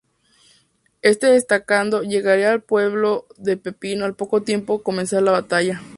Este destacamento llegaría al pueblo del Pepino al poco tiempo comenzar la batalla.